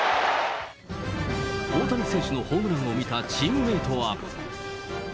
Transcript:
大谷選手のホームランを見たチームメートは。